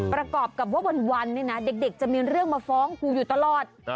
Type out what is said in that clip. ประกอบกับว่าวันเนี่ยนะเด็กจะมีเรื่องมาฟ้องครูอยู่ตลอด